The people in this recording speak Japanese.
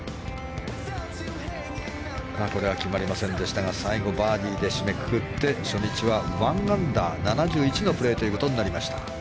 これは決まりませんでしたが最後、バーディーで締めくくって初日は１アンダー７１のプレーとなりました。